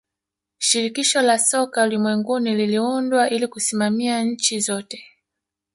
shirikisho la soka ulimwenguni liliundwa ili kusimamia nchi zote